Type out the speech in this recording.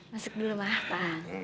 masuk dulu mah pa